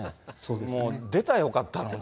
もう出たらよかったのに。